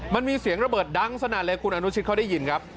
มันมีเสียงระเบิดดังสนั่นเลยคุณอนุชิตเขาได้ยินครับ